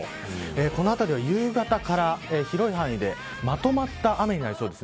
この辺りは夕方から広い範囲でまとまった雨になりそうです。